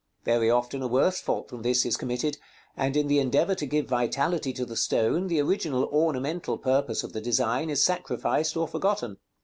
Very often a worse fault than this is committed; and in the endeavor to give vitality to the stone, the original ornamental purpose of the design is sacrificed or forgotten.